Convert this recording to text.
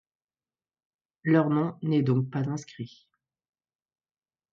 Leur nom n'est donc pas inscrit.